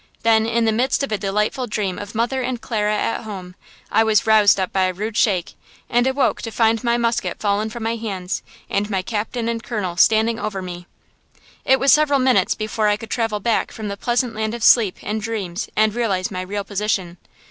Then, in the midst of a delightful dream of mother and Clara and home, I was roused up by a rude shake, and awoke to find my musket fallen from my hands, and my Captain and Colonel standing over me. It was several minutes before I could travel back from the pleasant land of sleep and dreams and realize my real position.